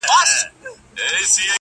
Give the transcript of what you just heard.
چي دي واچوي قاضي غاړي ته پړی -